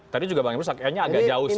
tadi bang emroes juga agak jauh